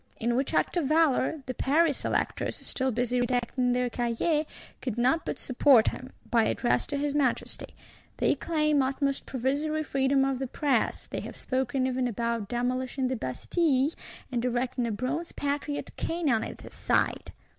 In which act of valour, the Paris Electors, still busy redacting their Cahier, could not but support him, by Address to his Majesty: they claim utmost "provisory freedom of the press;" they have spoken even about demolishing the Bastille, and erecting a Bronze Patriot King on the site!